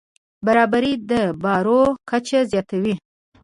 برابري د باور کچه زیاتوي.